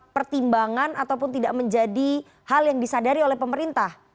pertimbangan ataupun tidak menjadi hal yang disadari oleh pemerintah